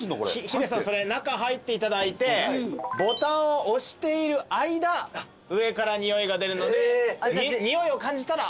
ヒデさんそれ中入っていただいてボタンを押している間上からにおいが出るのでにおいを感じたら離していただくと。